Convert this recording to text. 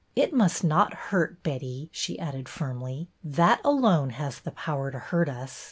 It must not hurt, Betty," she added firmly. That alone has the power to hurt us.